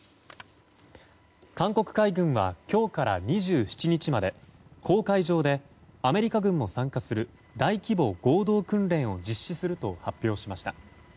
韓国海軍は今日から２７日まで黄海上でアメリカ軍も参加する大規模合同訓練を実施すると発表しました。